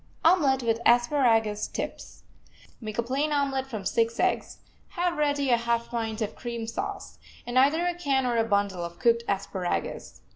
OMELET WITH ASPARAGUS TIPS Make a plain omelet from six eggs, have ready a half pint of cream sauce, and either a can or a bundle of cooked asparagus.